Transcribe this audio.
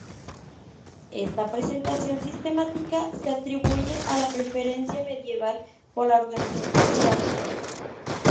Esta presentación sistemática se atribuye a la preferencia medieval por la organización jerárquica.